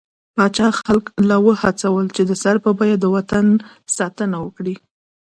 پاچا خلک له وهڅول، چې د سر په بيه د وطن څخه ساتنه وکړي.